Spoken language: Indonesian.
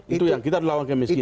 itu yang kita lawan kemiskin